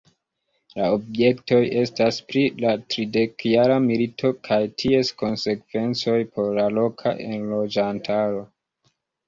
La objektoj estas pri la Tridekjara milito kaj ties konsekvencoj por la loka enloĝantaro.